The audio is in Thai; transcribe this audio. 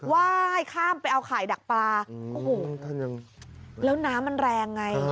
ว่ายข้ามไปเอาข่ายดักปลาโอ้โหแล้วน้ำมันแรงไง